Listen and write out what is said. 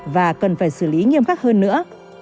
và cần phải xử lý nghiêm khắc hơn nữa